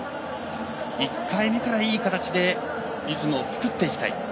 １回目からいい形でリズムを作っていきたい。